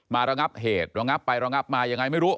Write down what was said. ระงับเหตุระงับไประงับมายังไงไม่รู้